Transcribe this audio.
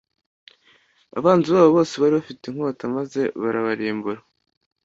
abanzi babo bose bari bafite inkota maze barabarimbura